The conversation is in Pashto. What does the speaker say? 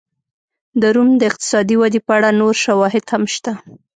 د روم د اقتصادي ودې په اړه نور شواهد هم شته.